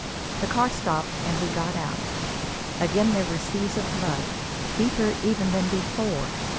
The car stopped and we got out. Again there were seas of mud, deeper even than before.